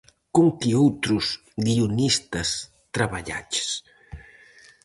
Con que outros guionistas traballaches?